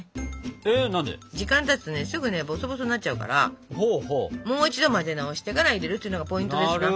時間たつとねすぐボソボソになっちゃうからもう一度混ぜ直してから入れるっていうのがポイントですな。